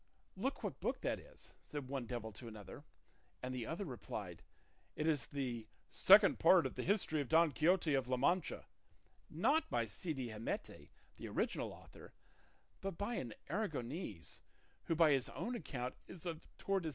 'Look what book that is,' said one devil to another, and the other replied, 'It is the "Second Part of the History of Don Quixote of La Mancha," not by Cide Hamete, the original author, but by an Aragonese who by his own account is of Tordesillas.